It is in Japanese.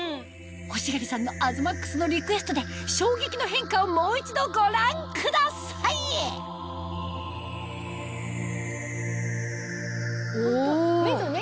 欲しがりさんの東ＭＡＸのリクエストで衝撃の変化をもう一度ご覧ください目のね